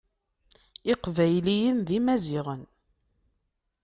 Iqbayliyen d imaziɣen.